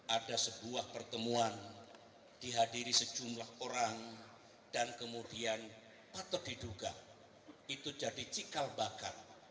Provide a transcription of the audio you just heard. ada sebuah pertemuan dihadiri sejumlah orang dan kemudian patut diduga itu jadi cikal bakat